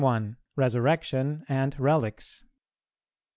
_Resurrection and Relics.